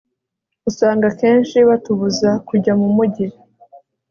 usanga kenshi batubuza kujya mumujyi